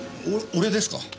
お俺ですか？